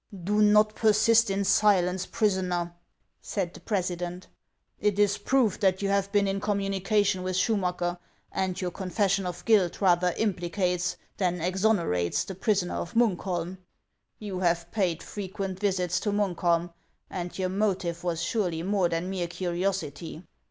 " Do not persist in silence, prisoner," said the president ;" it is proved that you have been in communication with Schumacker, and your confession of guilt rather impli cates than exonerates the prisoner of Munkholm. You have paid frequent visits to Munkholm, and your motive was surely more than mere curiosity.